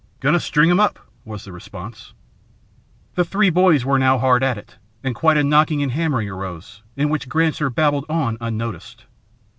"Going to string 'em," was the response. The three boys were now hard at it; and quite a knocking and hammering arose, in which Granser babbled on unnoticed.